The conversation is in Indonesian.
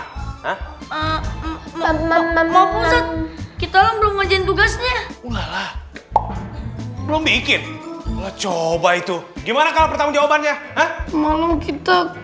kita belum ngajin tugasnya belum bikin coba itu gimana kalau pertanggungjawabannya malam kita